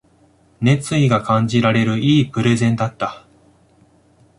熱意が感じられる良いプレゼンだった